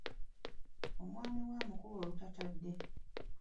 Omwami we amukuba olutatadde.